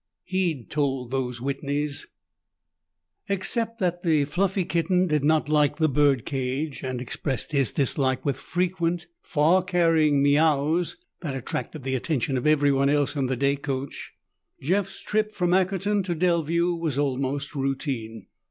He'd told those Whitneys. Except that the fluffy kitten did not like the bird cage and expressed his dislike with frequent far carrying "miaouws" that attracted the attention of everyone else in the day coach, Jeff's trip from Ackerton to Delview was almost routine.